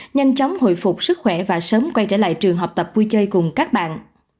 nhanh chóng hồi phục sức khỏe và sớm quay trở lại trường học tập vui chơi cùng các bạn